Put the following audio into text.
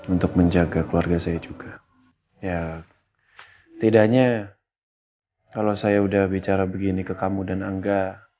untuk menjaga keluarga saya juga ya tidaknya kalau saya udah bicara begini ke kamu dan angga